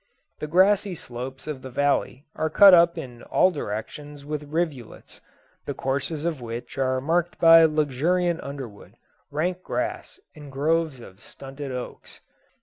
The grassy slopes of the valley are cut up in all directions with rivulets, the courses of which are marked by luxuriant underwood, rank grass, and groves of stunted oaks.